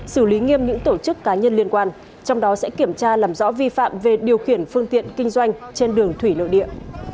xử lý nghiêm những tổ chức cá nhân liên quan trong đó sẽ kiểm tra làm rõ vi phạm về điều khiển phương tiện kinh doanh trên đường thủy nội địa